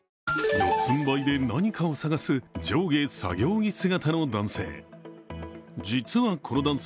四つんばいで何かを探す上下作業着姿の男性。